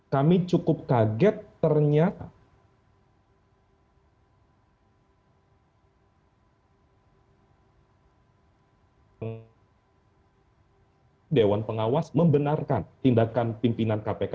kami cukup kaget ternyata dewan pengawas membenarkan tindakan pimpinan kpk